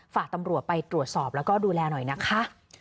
ฝากตำรวจไปตรวจสอบแล้วก็ดูแลหน่อยนะคะ